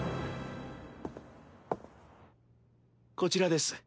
こちらです。